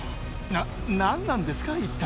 な、何なんですか、一体？